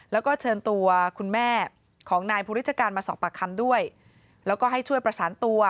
แล้วก็เชิญตัวคุณแม่ของนายภูริชการมาสอบปากคำด้วยแล้วก็ให้ช่วยประสานตัว